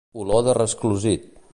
Olor de resclosit.